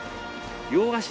洋菓子。